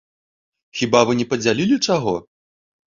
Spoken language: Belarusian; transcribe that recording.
Хіба вы не падзялілі чаго?